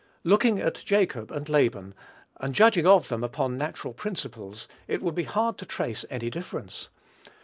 Looking at Jacob and Laban, and judging of them upon natural principles, it would be hard to trace any difference.